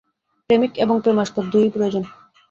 প্রেমিক এবং প্রেমাস্পদ দুই-ই প্রয়োজন।